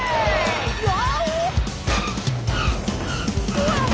うわ！